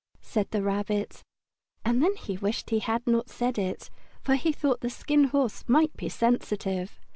said the Rabbit. And then he wished he had not said it, for he thought the Skin Horse might be sensitive.